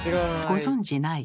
ご存じない？